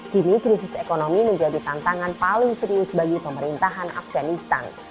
kini krisis ekonomi menjadi tantangan paling serius bagi pemerintahan afganistan